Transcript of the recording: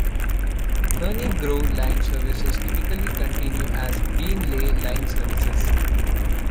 Ferny Grove line services typically continue as Beenleigh line services.